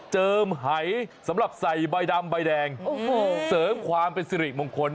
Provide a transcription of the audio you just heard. เจิมหายสำหรับใส่ใบดำใบแดงเสริมความเป็นสิริมงคล